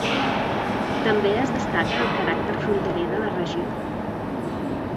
També es destaca el caràcter fronterer de la regió.